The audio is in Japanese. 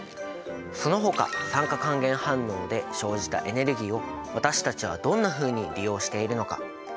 そのほか酸化還元反応で生じたエネルギーを私たちはどんなふうに利用しているのか？